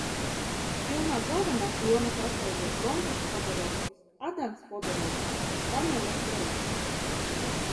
Filmā galvenās lomas atveido Brontiss Hodorovskis, Adans Hodorovskis un Pamela Floresa.